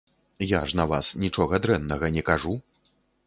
Я ж на вас нічога дрэннага не кажу.